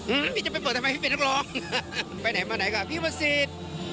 อื้มพี่จะไปบวกทำไมพี่เป็นทหาร